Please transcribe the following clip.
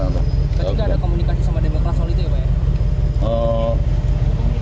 jadi tidak ada komunikasi sama demokrat soal itu ya pak